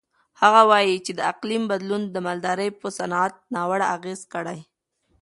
هغه وایي چې د اقلیم بدلون د مالدارۍ په صنعت ناوړه اغېز کړی.